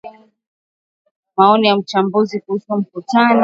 Maoni ya mchambuzi kuhusu mkutano kati ya wabunge wa Marekani na Ruto pamoja na Odinga